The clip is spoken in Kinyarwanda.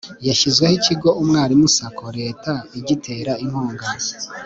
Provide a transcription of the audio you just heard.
hashyizweho ikigo umwalimu-sacco leta igitera inkunga